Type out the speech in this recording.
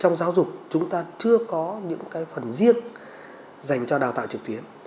trong giáo dục chúng ta chưa có những cái phần riêng dành cho đào tạo trực tuyến